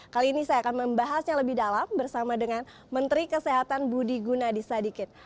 kali ini saya akan membahasnya lebih dalam bersama dengan menteri kesehatan budi gunadisadikin